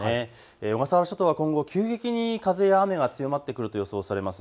小笠原諸島は今後、急激に風や雨が強まってくると予想されます。